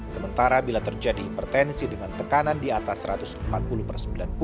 sementara bila terjadi hipertensi dengan tekanan di atas satu ratus empat puluh per sembilan puluh